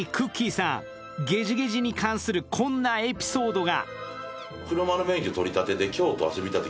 さん、ゲジゲジに関するこんなエピソードが。